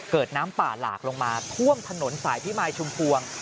น้ำป่าหลากลงมาท่วมถนนสายพิมายชุมพวง